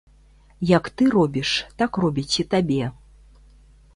Як ты робіш, так робяць і табе.